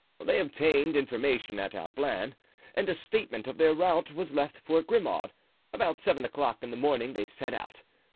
They obtained information at Ablain, and a statement of their route was left for Grimaud. About seven o'clock in the morning they set out.